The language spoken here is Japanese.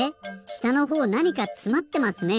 したのほうなにかつまってますね？